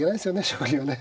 将棋はね。